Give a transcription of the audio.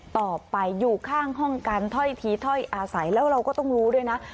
ต่อไปอยู่ข้างห้องกันถ้อยทีถ้อยอาศัยแล้วเราก็ต้องรู้ด้วยนะ